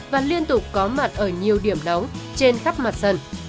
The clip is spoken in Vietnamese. và liên tục có mặt ở nhiều điểm nóng trên khắp mặt dân